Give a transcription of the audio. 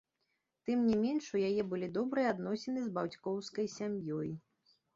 Тым не менш у яе былі добрыя адносіны з бацькоўскай сям'ёй.